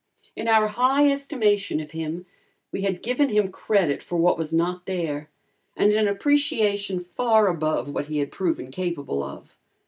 In our high estimation of him, we had given him credit for what was not there, and an appreciation far above what he had proven capable of.